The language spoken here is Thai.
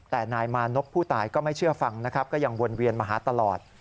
แต่นายมานพผู้ตายก็ไม่เชื่อฟังนะครับก็ยังวนเวียนมาหาตลอด